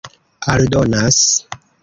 aldonas